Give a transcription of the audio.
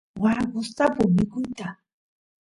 waa gustapun mikuyta